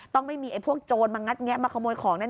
ไม่มีไอ้พวกโจรมางัดแงะมาขโมยของแน่